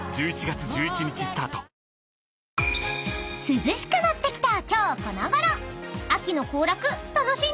［涼しくなってきた今日このごろ］